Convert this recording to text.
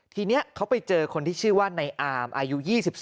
ทีนี้เขาไปเจอคนที่ชื่อว่าในอามอายุ๒๒